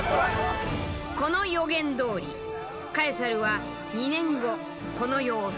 この予言どおりカエサルは２年後この世を去った。